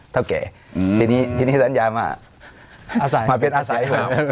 ทะเกะทีนี้ทะเก่มาเป็นอาศัย